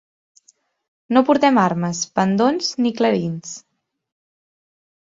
No portem armes, pendons ni clarins.